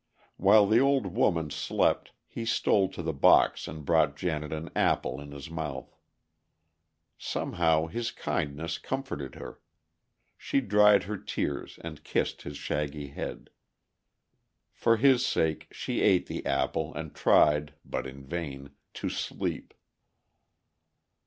While the old woman slept, he stole to the box and brought Janet an apple in his mouth. Somehow his kindness comforted her; she dried her tears and kissed his shaggy head. For his sake she ate the apple and tried, but in vain, to sleep.